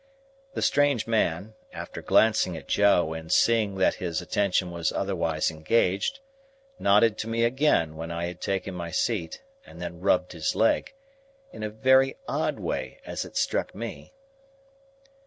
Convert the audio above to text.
The strange man, after glancing at Joe, and seeing that his attention was otherwise engaged, nodded to me again when I had taken my seat, and then rubbed his leg—in a very odd way, as it struck me.